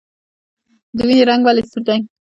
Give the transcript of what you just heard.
د وینې رنګ ولې سور دی